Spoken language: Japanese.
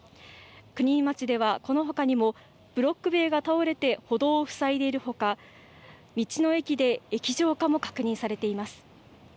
国見町ではこのほかにもブロック塀が倒れて歩道を塞いでいるほか道の駅で液状化も確認されています。